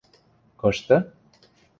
— Кышты?